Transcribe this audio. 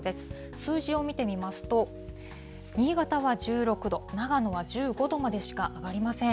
数字を見てみますと、新潟は１６度、長野は１５度までしか上がりません。